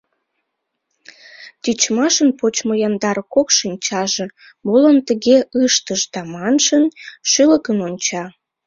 Тичмашын почмо яндар кок шинчаже, «Молан тыге ыштышда» маншын, шӱлыкын онча.